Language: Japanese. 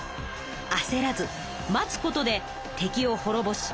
あせらず待つことで敵をほろぼし